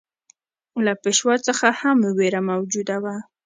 له پېشوا څخه هم وېره موجوده وه.